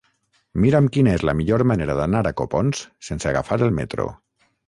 Mira'm quina és la millor manera d'anar a Copons sense agafar el metro.